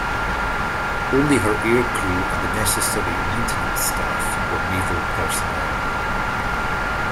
Only her air crew and the necessary maintenance staff were naval personnel.